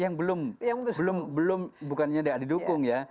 yang belum belum belum bukannya tidak didukung ya